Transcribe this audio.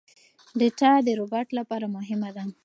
ډاټا د روباټ لپاره مهمه ده.